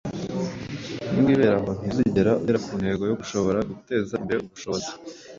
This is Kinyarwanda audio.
Niwibera aho, ntuzigera ugera ku ntego yo gushobora guteza imbere ubushobozi